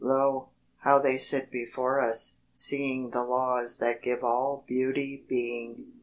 Lo, how they sit before us, seeing The laws that give all Beauty being!